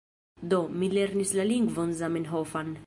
Do, mi lernis la lingvon Zamenhofan.